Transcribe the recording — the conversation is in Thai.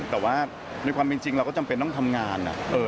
แต่ว่าในความเป็นจริงเราก็จำเป็นต้องทำงาน